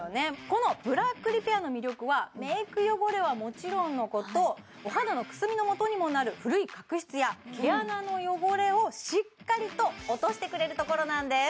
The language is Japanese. このブラックリペアの魅力はメーク汚れはもちろんのことお肌のくすみのもとにもなる古い角質や毛穴の汚れをしっかりと落としてくれるところなんです